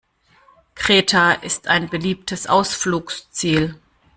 Kreta ist ein beliebtes Ausflugsziel.